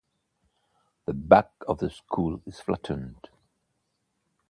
The back of the skull is flattened.